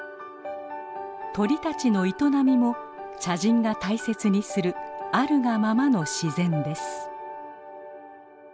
鳥たちの営みも茶人が大切にするあるがままの自然です。